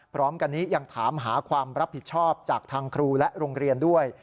พร้อมกันนี้ยังถามหาความรับผิดชอบจากทางครูและโรงเรียนด้วย